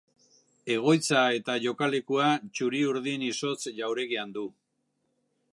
Egoitza eta jokalekua Txuri Urdin izotz jauregian du.